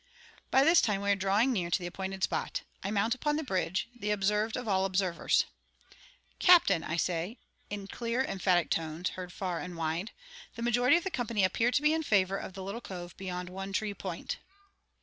By this time we are drawing near to the appointed spot. I mount upon the bridge, the observed of all observers. "Captain," I say, in clear, emphatic tones, heard far and wide, "the majority of the company appear to be in favour of the little cove beyond One Tree Point."